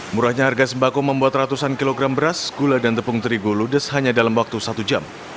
murahnya harga sembako membuat ratusan kilogram beras gula dan tepung terigu ludes hanya dalam waktu satu jam